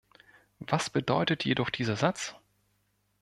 Was bedeutet jedoch dieser Satz?